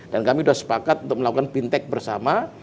dan kami sudah sepakat untuk melakukan bintek bersama